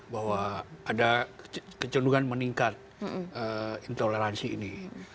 bahwa ada kecendungan meningkat intoleransi ini